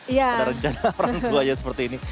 ada rencana orang tuanya seperti ini